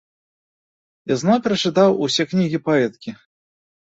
Я зноў перачытаў усе кнігі паэткі.